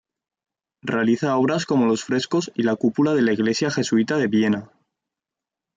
Realiza obras como los frescos y la cúpula de la iglesia jesuita de Viena.